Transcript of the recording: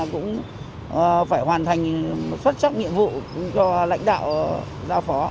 cũng phải hoàn thành xuất sắc nhiệm vụ cho lãnh đạo giao phó